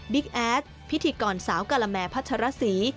บิ๊กแอดพิธีกรสาวกาลแมพัชรสี